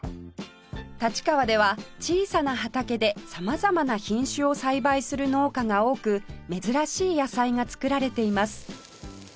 立川では小さな畑で様々な品種を栽培する農家が多く珍しい野菜が作られています